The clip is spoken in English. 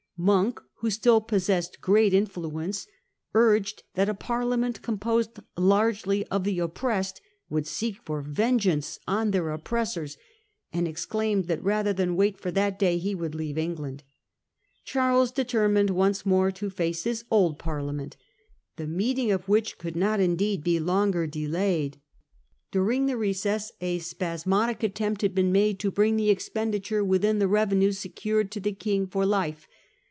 Monk, who still possessed great influence, urged that a Parlia ment composed largely of the oppressed would seek for vengeance on their oppressors, and exclaimed that rather than wait for that day he would leave England. Charles determined once more to face his old Parliament, the meeting of which could not indeed be longer delayed. During the recess a spasmodic attempt had been made to bring the expenditure within the revenue secured to the King for life.